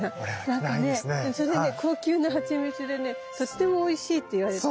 なんかねそれね高級な蜂蜜でねとってもおいしいって言われてる。